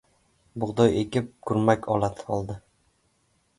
• Bug‘doy ekib ― kurmak oldi.